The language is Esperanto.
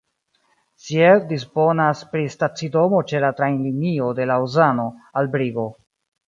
Sierre disponas pri stacidomo ĉe la trajnlinio de Laŭzano al Brigo.